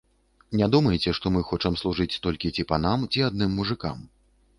Не думайце, што мы хочам служыць толькі ці панам, ці адным мужыкам.